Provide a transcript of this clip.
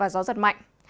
gió rất mạnh